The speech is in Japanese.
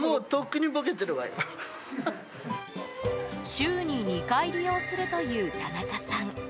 週に２回利用するという田中さん。